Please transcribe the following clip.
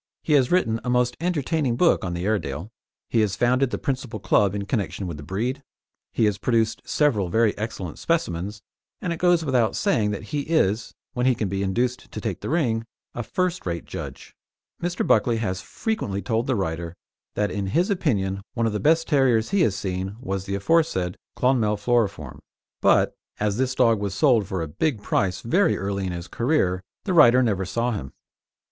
He has written a most entertaining book on the Airedale; he has founded the principal club in connection with the breed; he has produced several very excellent specimens, and it goes without saying that he is when he can be induced to "take the ring" a first rate judge. Mr. Buckley has frequently told the writer that in his opinion one of the best terriers he has seen was the aforesaid Clonmel Floriform, but, as this dog was sold for a big price very early in his career, the writer never saw him.